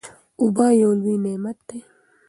اوبه یو لوی نعمت دی.